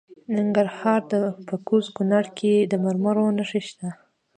د ننګرهار په کوز کونړ کې د مرمرو نښې شته.